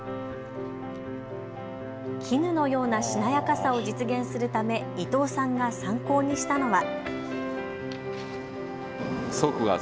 絹のようなしなやかさを実現するため伊藤さんが参考にしたのは。